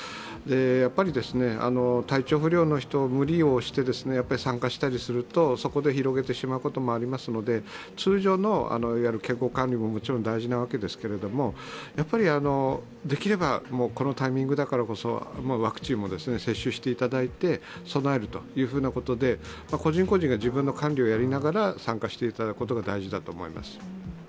やっぱり体調不良の人無理をして参加したりするとそこで広げてしまうこともありますので、通常の健康管理ももちろん大事なわけですけれども、やっぱりできれば、このタイミングだからこそワクチンも接種していただいて備えるというふうなことで個人個人が自分の管理をやりながら参加していただくことが大事だと思います。